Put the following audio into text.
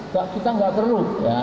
kita tidak perlu